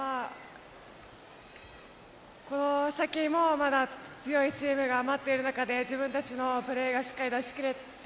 この先もまだ強いチームが待っている中で自分たちのプレーがしっかり出し切れて